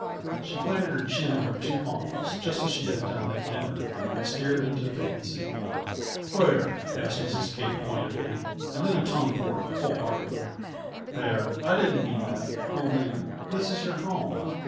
She planted her chin in her two palms, just as she had done at dinner, and stared into vacancy. "Where?" asked Mrs. Kate pointedly, and then atoned for it whole heartedly. "There, I didn't mean that only this is your home.